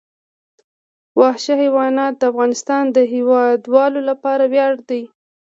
وحشي حیوانات د افغانستان د هیوادوالو لپاره ویاړ دی.